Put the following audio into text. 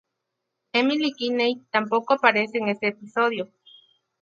Emily Kinney tampoco aparece en este episodio.